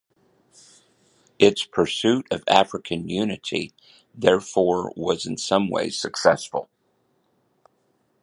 Its pursuit of African unity, therefore, was in some ways successful.